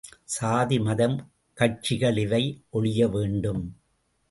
சாதி மதம், கட்சிகள் இவை ஒழியவேண்டும்.